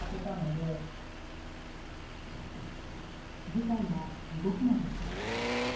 事態は動くのでしょうか。